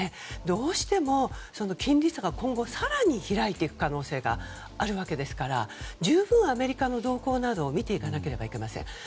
どうしても金利差が今後、更に開いていく可能性があるわけですから十分、アメリカの動向などを見ていかないといけません。